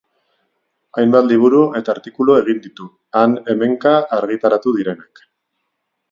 Hainbat liburu eta artikulu egin ditu, han-hemenka argitaratu direnak.